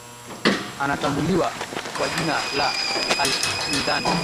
anatambuliwa kwa jina la al myidhan